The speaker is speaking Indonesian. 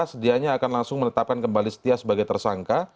sedianya akan langsung menetapkan kembali setia sebagai tersangka